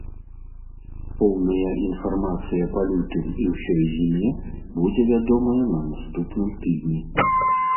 Поўная інфармацыя па лютым і ўсёй зіме будзе вядомая на наступным тыдні.